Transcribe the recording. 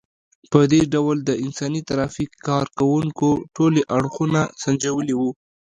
په دې ډول د انساني ترافیک کار کوونکو ټولي اړخونه سنجولي وو.